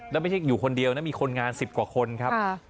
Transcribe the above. แล้วไม่ใช่อยู่คนเดียวนะมีคนงาน๑๐กว่าคนครับ